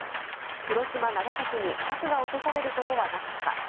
広島、長崎に核が落とされることはなかった。